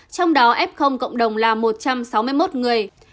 trong đó f cộng đồng là một trăm sáu mươi một người